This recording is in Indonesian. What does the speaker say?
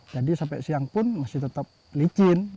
jadi sampai siang pun masih tetap licin